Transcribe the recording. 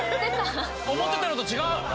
⁉思ってたのと違う！